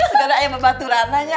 sekarang ayo bebatu ranahnya